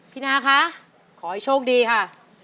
นาคะขอให้โชคดีค่ะ